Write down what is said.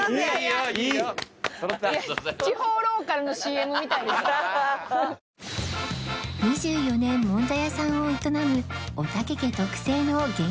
２４年もんじゃ屋さんを営むおたけ家特製の元気鍋とは？